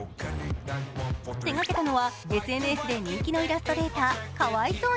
手がけたのは、ＳＮＳで人気のイラストレーター可哀想に！